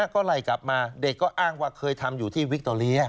ก็ไล่กลับมาเด็กก็อ้างว่าเคยทำอยู่ที่วิคโตเรีย